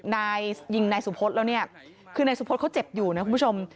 นายยิงนายสุพธแล้วเนี่ยคือนายสุพศเขาเจ็บอยู่นะคุณผู้ชม